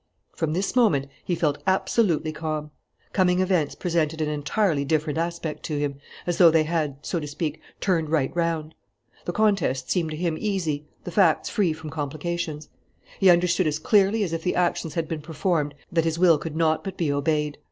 From this moment he felt absolutely calm. Coming events presented an entirely different aspect to him, as though they had, so to speak, turned right round. The contest seemed to him easy, the facts free from complications. He understood as clearly as if the actions had been performed that his will could not but be obeyed.